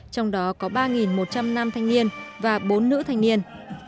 trong đó có ba một trăm linh nam thanh niên và bốn nữ thanh niên